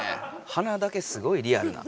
はなだけすごいリアルな。